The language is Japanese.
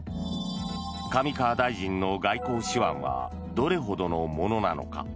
上川大臣の外交手腕はどれほどのものなのか？